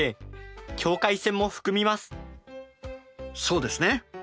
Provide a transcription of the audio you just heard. そうですね。